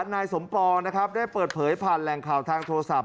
นายสมปองนะครับได้เปิดเผยผ่านแหล่งข่าวทางโทรศัพท